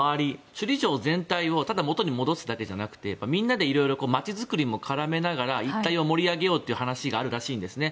首里城全体をただ元に戻すだけじゃなくてみんなで色々街づくりも絡めながら一帯を盛り上げようという話があるらしいんですね。